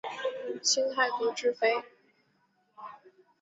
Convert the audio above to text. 清太祖之妃。